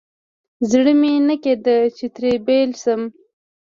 زړه مې نه کېده چې ترې بېل شم.